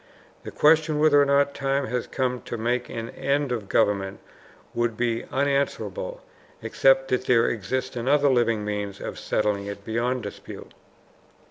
The question whether or not the time has come to make an end of government would be unanswerable, except that there exists another living means of settling it beyond dispute.